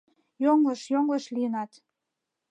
Йоҥылыш, йоҥылыш лийынат.